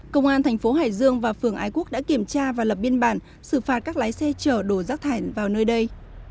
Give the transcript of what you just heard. công an thành phố hải dương và phường ái quốc đã kiểm tra và lập biên bản xử phạt các lái xe chở đồ rác thải vào nơi đây